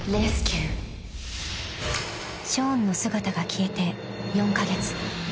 ［ショーンの姿が消えて４カ月］